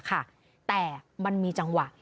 แต่มันมีจังหวะ